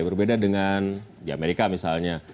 berbeda dengan di amerika misalnya